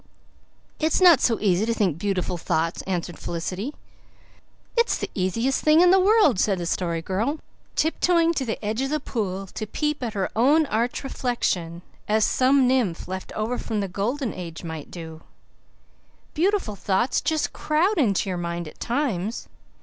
"It's not so easy to think beautiful thoughts," answered Felicity. "It's the easiest thing in the world," said the Story Girl, tiptoeing to the edge of the pool to peep at her own arch reflection, as some nymph left over from the golden age might do. "Beautiful thoughts just crowd into your mind at times."